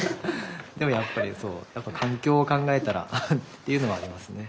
でもやっぱり環境を考えたらっていうのはありますね。